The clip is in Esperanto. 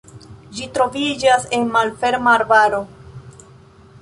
Ĝi troviĝas en malferma arbaro.